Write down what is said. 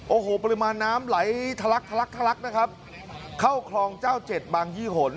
โอ้โหปริมาณน้ำไหลทะลักทะลักทะลักนะครับเข้าคลองเจ้าเจ็ดบางยี่หน